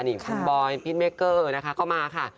นี่คุณบอยพี่เมเกอร์นะคะก็มาค่ะ